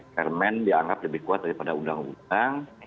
permen dianggap lebih kuat daripada undang undang